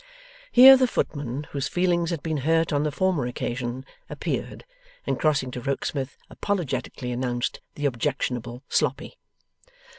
Here the footman whose feelings had been hurt on the former occasion, appeared, and crossing to Rokesmith apologetically announced the objectionable Sloppy.